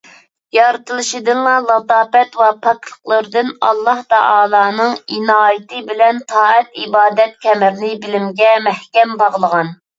يارىتلىشدىنلا لاتاپەت ۋە پاكلىقلىرىدىن ئاللاھتائالانىڭ ئىنايىتى بىلەن تائەت - ئىبادەت كەمىرىنى بېلىگە مەھكەم باغلىغان.